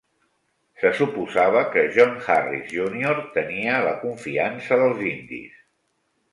Se suposava que John Harris Junior tenia la confiança dels indis.